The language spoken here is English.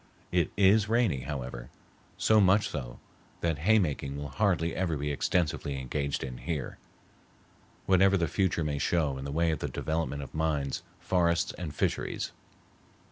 It is rainy, however,—so much so that hay making will hardly ever be extensively engaged in here, whatever the future may show in the way of the development of mines, forests, and fisheries.